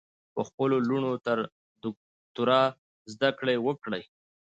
په خپلو لوڼو تر دوکترا ذدکړي وکړئ